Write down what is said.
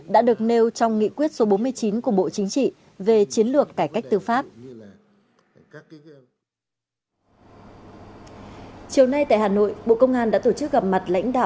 đã được nêu trong nghị quyết số bốn mươi chín của bộ chính trị